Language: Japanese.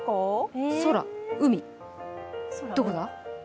空、海どこだ？